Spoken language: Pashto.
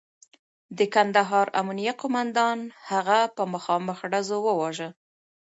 د کندهار امنیه قوماندان هغه په مخامخ ډزو وواژه.